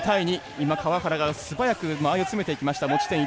今川原が素早く間合いを詰めていきました。